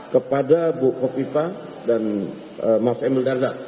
kepada bu kofifa dan mas emil dardak